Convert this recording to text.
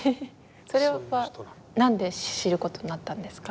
それは何で知る事になったんですか？